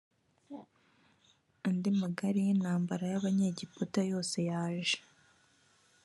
andi magare y intambara y abanyegiputa yose yaje